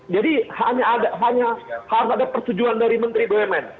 jadi hanya harus ada persetujuan dari menteri bgman